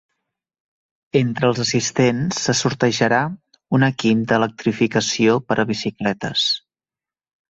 Entre els assistents se sortejarà un equip d’electrificació per a bicicletes.